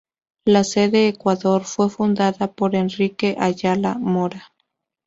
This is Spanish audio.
La Sede Ecuador fue fundada por Enrique Ayala Mora.